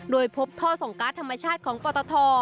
โดยพบท่อส่งการ์ดธรรมชาติของปตท